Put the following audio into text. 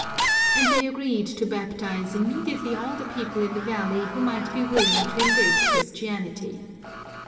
And they agreed to baptize immediately all the people in the valley who might be willing to embrace Christianity.